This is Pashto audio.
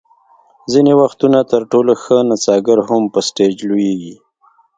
ځینې وختونه تر ټولو ښه نڅاګر هم په سټېج لویږي.